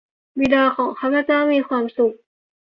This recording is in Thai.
บิดาของข้าพเจ้ามีความสุข